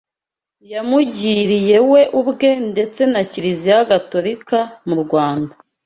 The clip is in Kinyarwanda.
yamugiriye we ubwe ndetse na Kiliziya Gatolika mu Rwanda